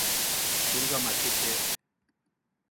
우리가 맡을게.